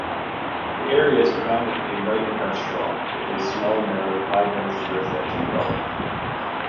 The area is predominantly light industrial, with a small amount of high-density residential development.